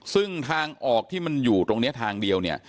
ซึ่งทางออกที่มันอยู่ตรงนี้ทางเดียวเนี่ย